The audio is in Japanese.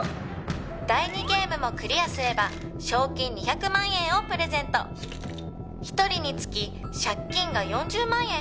「第２ゲームもクリアすれば賞金２００万円をプレゼント」「一人につき借金が４０万円減ります」